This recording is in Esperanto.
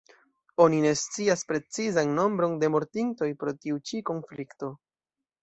Oni ne scias precizan nombron de mortintoj pro tiu ĉi konflikto.